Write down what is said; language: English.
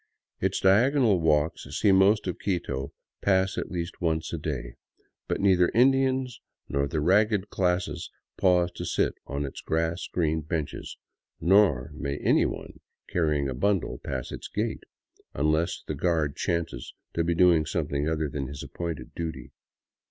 Its diagonal walks see most of Quito pass at least once a day. But neither Indians nor the ragged classes pause to sit on its grass green benches ; nor may anyone carrying a bundle pass its gates — unless the guard chances to be doing something other than his appointed duty.